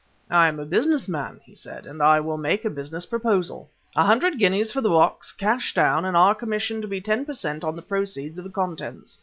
"I am a business man," he said, "and I will make a business proposal: A hundred guineas for the box, cash down, and our commission to be ten per cent on the proceeds of the contents.